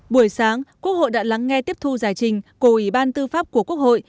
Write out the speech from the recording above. buổi sáng quốc hội đã lắng nghe tiếp thu giải trình của ủy ban tư pháp của quốc hội